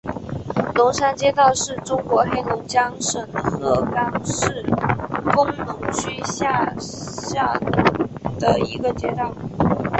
龙山街道是中国黑龙江省鹤岗市工农区下辖的一个街道。